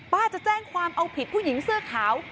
จะแจ้งความเอาผิดผู้หญิงเสื้อขาว